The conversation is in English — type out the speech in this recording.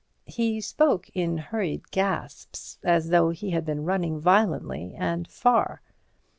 He spoke in hurried gasps, as though he had been running violently and far.